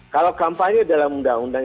kalau kampanye dalam undang undang